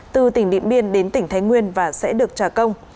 từ tỉnh điện biên đến tỉnh thái nguyên và sẽ được trả công